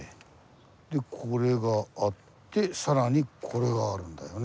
でこれがあって更にこれがあるんだよね。